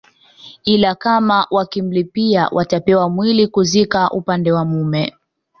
ila kama wakimlipia watapewa mwili kuzika upande wa mume